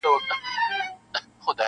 په سرونو کي يې شوردی -